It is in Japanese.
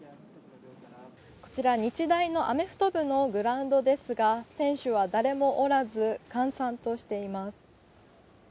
こちら、日大のアメフト部のグラウンドですが、選手は誰もおらず、閑散としています。